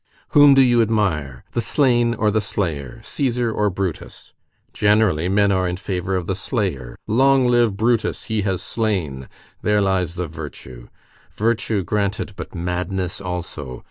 Whom do you admire, the slain or the slayer, Cæsar or Brutus? Generally men are in favor of the slayer. Long live Brutus, he has slain! There lies the virtue. Virtue, granted, but madness also.